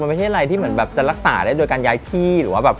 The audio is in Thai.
ไม่ใช่อะไรที่จะรักษาได้ด้วยการย้ายที่